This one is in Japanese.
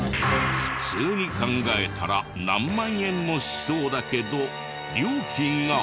普通に考えたら何万円もしそうだけど料金が。